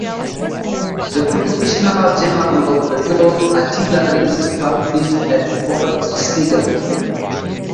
The professional journal of the Field Artillery is published at Fort Sill.